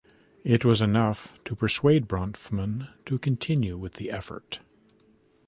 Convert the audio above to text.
It was enough to persuade Bronfman to continue with the effort.